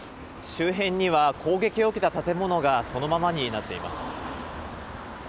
周辺には攻撃を受けた建物がそのままになっています。